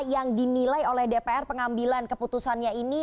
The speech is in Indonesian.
yang dinilai oleh dpr pengambilan keputusannya ini